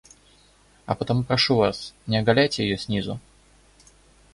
А потому прошу вас, не оголяйте ее снизу.